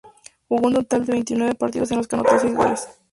Jugó un total de veintinueve partidos en los que anotó seis goles.